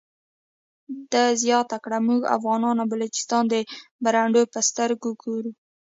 ده زیاته کړه موږ افغانستان او بلوچستان د برنډو په سترګه ګورو.